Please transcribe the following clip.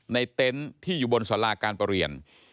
เต็นต์ที่อยู่บนสาราการประเรียน